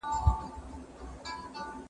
زه زدکړه نه کوم!!